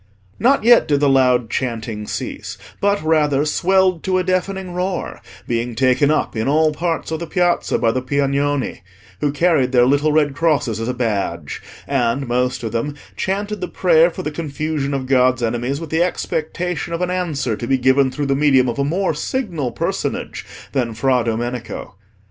Not yet did the loud chanting cease, but rather swelled to a deafening roar, being taken up in all parts of the Piazza by the Piagnoni, who carried their little red crosses as a badge, and, most of them, chanted the prayer for the confusion of God's enemies with the expectation of an answer to be given through the medium of a more signal personage than Fra Domenico.